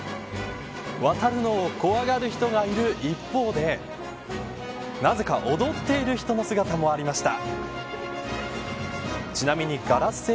渡るのを怖がる人がいる一方でなぜか踊っている人の姿もありました。